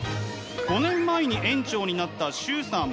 ５年前に園長になった崇さん。